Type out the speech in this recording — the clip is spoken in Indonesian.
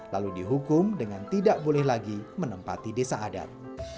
lalu dihukum dengan tidak boleh lagi menempati desa adat